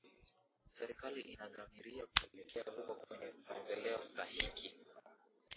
Serikali inadhamiria kuelekea huko kwenye maendeleo stahiki